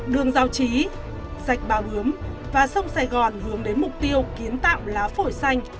đường giao trí sạch bào đướm và sông sài gòn hướng đến mục tiêu kiến tạo lá phổi xanh